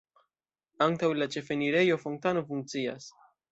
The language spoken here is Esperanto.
Antaŭ la ĉefenirejo fontano funkcias.